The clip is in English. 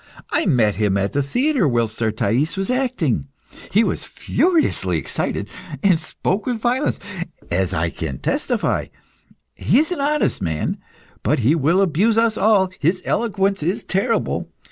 I met him at the theatre whilst our Thais was acting. He was furiously excited, and spoke with violence, as I can testify. He is an honest man, but he will abuse us all; his eloquence is terrible.